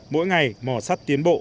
mỗi ngày mọ sắt tiến bộ